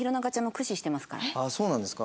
ああそうなんですか？